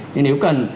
nên nếu cần